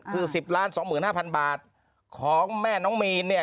คือสิบล้านสองหมื่นห้าพันบาทของแม่น้องมีนเนี่ย